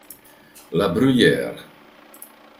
La Bruyère